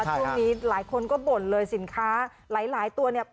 ช่วงนี้หลายคนก็บ่นเลยสินค้าหลายตัวเนี่ย